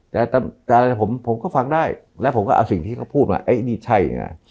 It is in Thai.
แต่ผมก็ฟังได้แล้วผมก็เอาสิ่งที่เขาพูดว่าไอ้นี่ใช่ไง